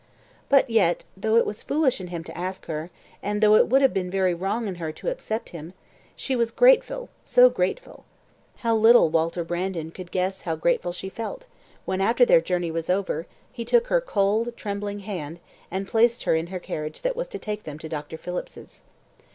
But yet, though it was foolish in him to ask her, and though it would have been very wrong in her to accept of him, she was grateful, so grateful. How little Walter Brandon could guess how grateful she felt, when, after their journey was over, he took her cold, trembling hand, and placed her in the carriage that was to take them to Dr. Phillips's.